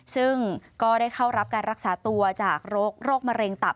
ซึ่งก็ได้เข้ารับการรักษาตัวจากโรคมะเร็งตับ